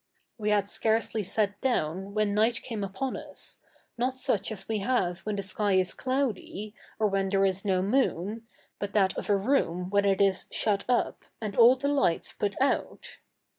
We had scarcely sat down when night came upon us, not such as we have when the sky is cloudy, or when there is no moon, but that of a room when it is shut up, and all the lights put out.